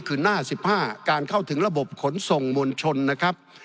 คือหน้า๑๕การเข้าถึงระบบขนส่งมวลชนนะครับ